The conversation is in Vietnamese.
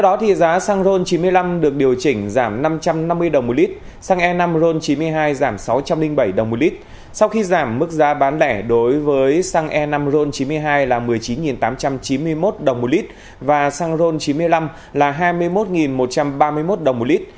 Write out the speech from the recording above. đối với xăng e năm ron chín mươi hai là một mươi chín tám trăm chín mươi một đồng một lít và xăng ron chín mươi năm là hai mươi một một trăm ba mươi một đồng một lít